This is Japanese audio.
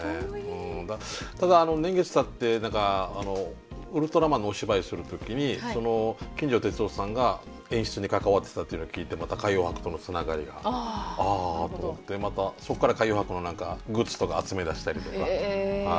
ただ年月たって何かウルトラマンのお芝居する時に金城哲夫さんが演出に関わってたっていうの聞いてまた海洋博とのつながりがあっと思ってまたそっから海洋博のグッズとか集めだしたりとか。